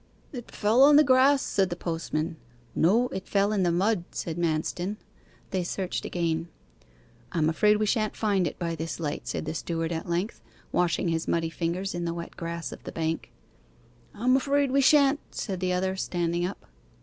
'It fell on the grass,' said the postman. 'No; it fell in the mud,' said Manston. They searched again. 'I'm afraid we shan't find it by this light,' said the steward at length, washing his muddy fingers in the wet grass of the bank. 'I'm afraid we shan't,' said the other, standing up.